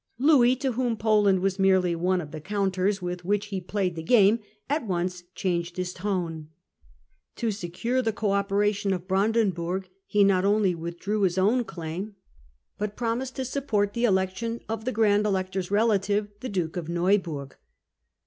Louis, to whom Poland was merely one of the counters with which he played the game, at once changed his tone. To secure the co operation of Brandenburg he not only withdrew his own claim, but promised to support the elec tion of the Grand Elector's relative, the Duke of Neuburg.